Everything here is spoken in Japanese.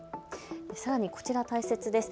さらにこちら大切です。